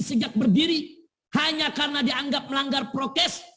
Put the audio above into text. sejak berdiri hanya karena dianggap melanggar prokes